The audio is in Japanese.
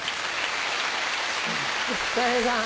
たい平さん。